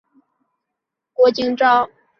曾祖父郭景昭。